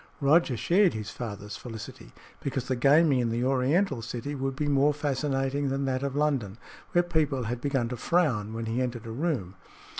Roger shared his father's felicity, because the gaming in the oriental city would be more fascinating than that of London, where people had begun to frown when he entered a room.